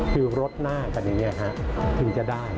คือรถหน้ากันอย่างนี้ถึงจะได้